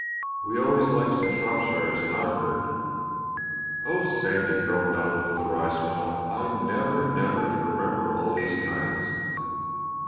We always like some Shropshires in our herd." "Oh, Sandy," groaned Donald with a wry smile, "I never, never can remember all these kinds."